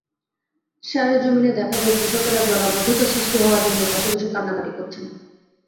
সরেজমিনে দেখা যায়, কৃষকেরা জলাবদ্ধতা সৃষ্টি হওয়া জমির পাশে বসে কান্নাকাটি করছেন।